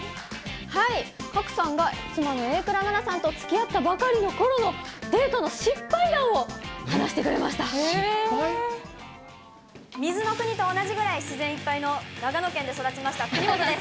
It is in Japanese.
賀来さんが妻の榮倉奈々さんとつきあったばかりのデートの失敗談失敗？水の国と同じくらい自然いっぱいの長野県で育ちました国本です。